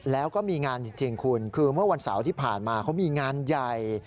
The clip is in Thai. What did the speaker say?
แล้วก็มีงานจริงคุณคือเมื่อวันเสาร์ที่ผ่านมาเขามีงานใหญ่